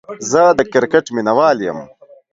زه دا کرکټ ميناوال يم